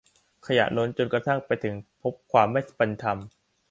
ขยะล้น จนกระทั่งไปถึง พบความไม่เป็นธรรม